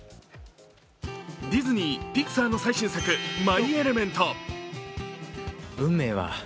ディズニー、ピクサーの最新作、「マイ・エレメント」。